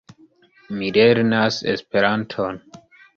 Mi lernas Esperanton.